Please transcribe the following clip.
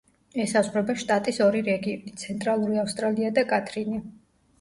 ესაზღვრება შტატის ორი რეგიონი: ცენტრალური ავსტრალია და კათრინი.